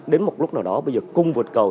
đến một lúc nào đó bây giờ cung vượt cầu